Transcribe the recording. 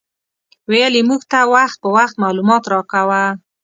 ویل یې موږ ته وخت په وخت معلومات راکاوه.